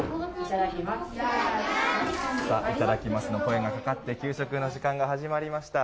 いただきますの声がかかって給食の時間が始まりました。